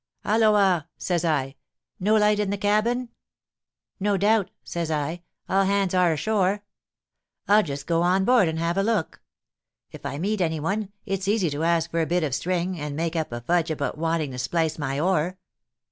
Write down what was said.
'Halloa!' says I, 'no light in the cabin? No doubt,' says I, 'all hands are ashore. I'll just go on board, and have a look; if I meet any one, it's easy to ask for a bit of string, and make up a fudge about wanting to splice my oar.'